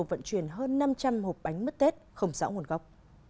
vận chuyển hơn năm trăm linh hộp bánh mất tết không rõ nguồn gốc